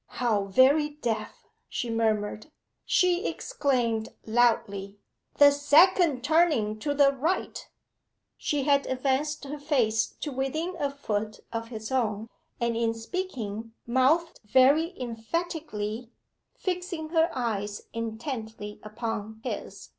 'How very deaf!' she murmured. She exclaimed loudly 'The second turning to the right.' She had advanced her face to within a foot of his own, and in speaking mouthed very emphatically, fixing her eyes intently upon his.